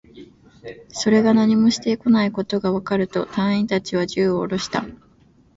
それが何もしてこないことがわかると、隊員達は銃をおろした